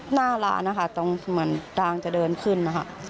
หน้าร้านนะคะตรงเหมือนทางจะเดินขึ้นนะคะ